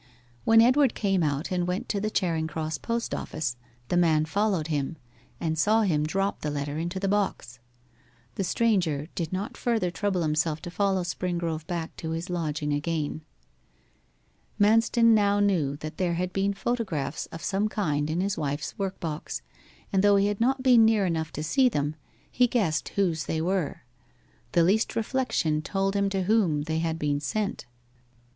When Edward came out and went to the Charing Cross post office, the man followed him and saw him drop the letter into the box. The stranger did not further trouble himself to follow Springrove back to his lodging again. Manston now knew that there had been photographs of some kind in his wife's workbox, and though he had not been near enough to see them, he guessed whose they were. The least reflection told him to whom they had been sent.